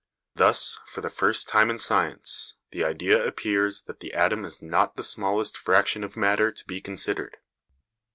Thus, for the first time in science, the idea appears that the atom is not the smallest fraction of matter to be considered.